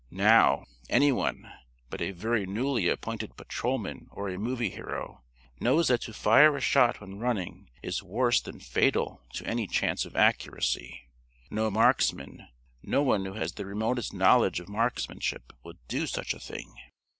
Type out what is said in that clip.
Now, anyone (but a very newly appointed patrolman or a movie hero) knows that to fire a shot when running is worse than fatal to any chance of accuracy. No marksman no one who has the remotest knowledge of marksmanship will do such a thing.